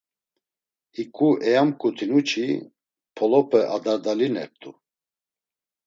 Hiǩu eyamǩutinu çi, polope adardalinert̆u.